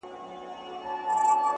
قربانو زه له پيغورو بېرېږم،